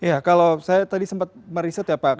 ya kalau saya tadi sempat meriset ya pak